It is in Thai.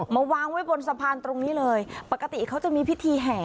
มาวางไว้บนสะพานตรงนี้เลยปกติเขาจะมีพิธีแห่